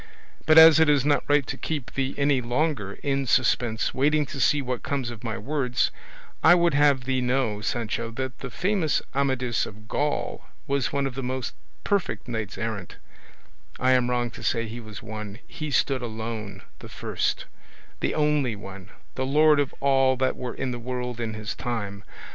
But as it is not right to keep thee any longer in suspense, waiting to see what comes of my words, I would have thee know, Sancho, that the famous Amadis of Gaul was one of the most perfect knights errant I am wrong to say he was one; he stood alone, the first, the only one, the lord of all that were in the world in his time.